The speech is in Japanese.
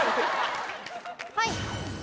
はい！